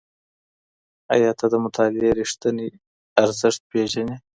ایا ته د مطالعې ریښتینی ارزښت پېژنې؟